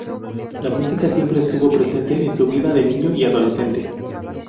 La música siempre estuvo presente en su vida, de niño y adolescente.